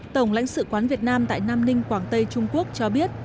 tổng lãnh sự quán việt nam tại nam ninh quảng tây trung quốc cho biết